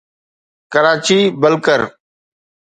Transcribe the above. Karachi بلڪر